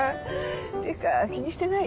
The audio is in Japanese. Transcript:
っていうか気にしてない。